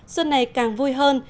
xuân này càng vui hơn